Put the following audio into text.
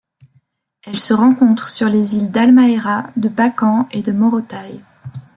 Elle se rencontre sur les îles d'Halmahera, de Bacan et de Morotai.